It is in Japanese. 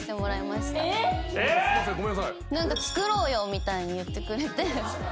みたいに言ってくれて。